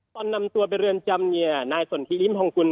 ตอนนำตัวไปเรือนจำนายสนทิศริมทองคุณ